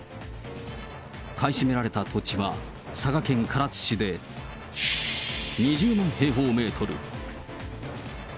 買い占められた土地は佐賀県唐津市で２０万平方メートル。